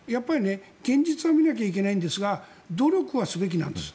現実を見なきゃいけないんですが努力はすべきなんです。